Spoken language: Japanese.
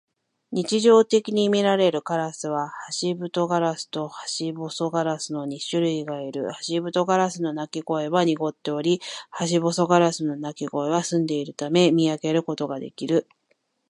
日常的にみられるカラスはハシブトガラスとハシボソガラスの二種類がいる。ハシブトガラスの鳴き声は濁っており、ハシボソガラスの鳴き声は澄んでいるため、見分けることができる。